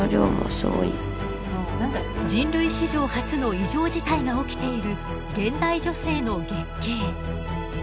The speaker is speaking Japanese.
人類史上初の異常事態が起きている現代女性の月経。